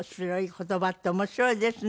言葉って面白いですね。